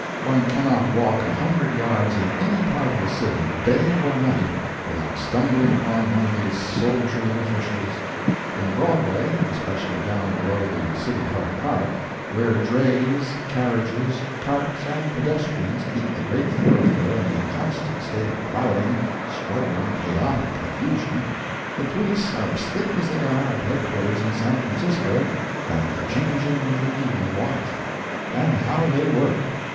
One cannot walk a hundred yards in any part of the city, day or night, without stumbling upon one of these soldierly officials. In Broadway, especially down below the City Hall Park, where drays, carriages, carts and pedestrians keep the great thoroughfare in a constant state of crowding, struggling, chaotic confusion, the police are as thick as they are at headquarters in San Francisco at the changing of the evening watch. And how they work!